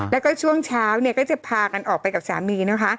แล้วก็ช่วงเช้าก็จะพากันออกไปกับสามี